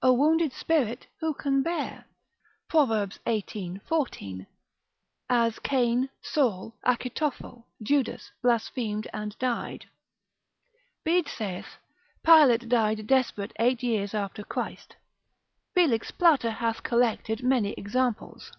A wounded spirit who can bear? Prov. xviii. 14. As Cain, Saul, Achitophel, Judas, blasphemed and died. Bede saith, Pilate died desperate eight years after Christ. Felix Plater hath collected many examples.